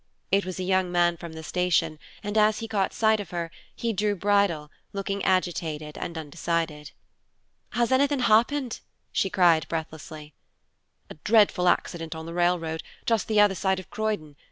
It was a young man from the station, and as he caught sight of her, he drew bridle, looking agitated and undecided. "Has anything happened?" she cried breathlessly. "A dreadful accident on the railroad, just the other side of Croydon.